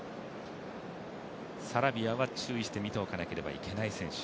サラビアは注意して見ておかなければいけない選手。